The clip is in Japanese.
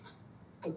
はい。